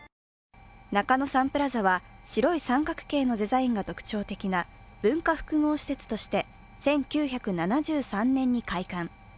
中野サンプラザは白い三角形のデザインが特徴的な文化複合施設として１９７３年に開館。